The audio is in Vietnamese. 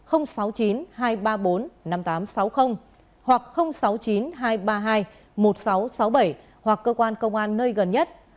sáu mươi chín hai trăm ba mươi bốn năm nghìn tám trăm sáu mươi hoặc sáu mươi chín hai trăm ba mươi hai một nghìn sáu trăm sáu mươi bảy hoặc cơ quan công an nơi gần nhất